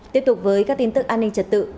tiếp tục với các tin tức an ninh trật tự